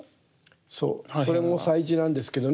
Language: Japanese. そうそれも彩磁なんですけどね